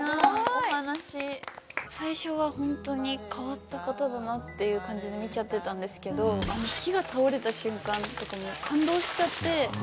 すごい！最初はホントに変わった方だなっていう感じで見ちゃってたんですけど木が倒れた瞬間とかもう感動しちゃって。